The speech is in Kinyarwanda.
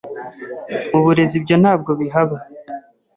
mu burezi ibyo ntabwo bihaba